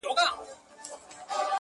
خو د عقل او د زور يې لاپي كړلې.!